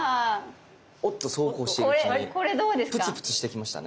おっとそうこうしてるうちにプツプツしてきましたね。